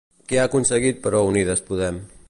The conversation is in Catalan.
Què ha aconseguit però Unides Podem?